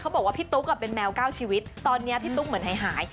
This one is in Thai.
บอกว่าพี่ตุ๊กเป็นแมว๙ชีวิตตอนนี้พี่ตุ๊กเหมือนหาย